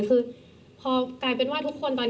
เธออยากให้ชี้แจ่งความจริง